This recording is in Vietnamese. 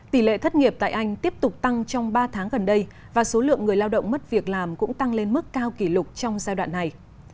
tỷ lệ thất nghiệp tại anh tiếp tục tăng trong ba tháng gần đây và số lượng người lao động mất việc làm cũng tăng lên mức cao kỷ lục trong giai đoạn này